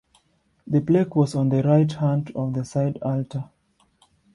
The plaque was on the right hand of the side altar.